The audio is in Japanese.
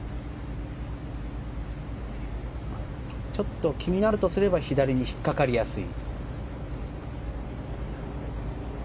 ちょっと気になるとすれば左に引っ掛かりやすい。